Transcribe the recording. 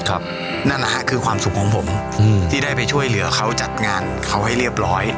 นั่นนะฮะคือความสุขของผมอืมที่ได้ไปช่วยเหลือเขาจัดงานเขาให้เรียบร้อย